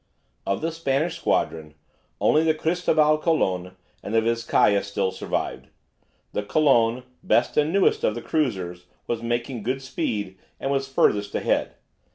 Of the Spanish squadron only the "Cristobal Colon" and the "Vizcaya" still survived. The "Colon," best and newest of the cruisers, was making good speed, and was furthest ahead.